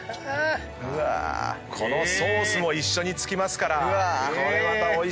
このソースも一緒に付きますからこれまたおいしそうです。